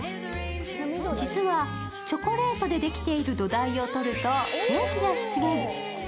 実はチョコレートでできている土台を取るとケーキが出現。